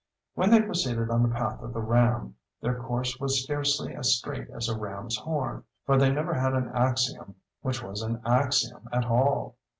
When they proceeded on the path of the Ram, their course was scarcely as straight as a ram's horn, for they never had an axiom which was an axiom at all.